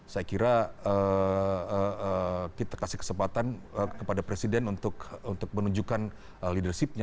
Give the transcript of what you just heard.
saya kira kita kasih kesempatan kepada presiden untuk menunjukkan leadershipnya